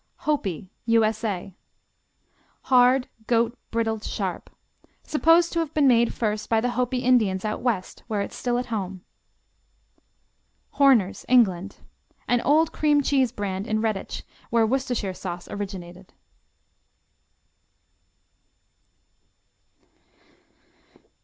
Hopi U.S.A. Hard; goat; brittle; sharp; supposed to have been made first by the Hopi Indians out west where it's still at home. Horner's England An old cream cheese brand in Redditch where Worcestershire sauce originated.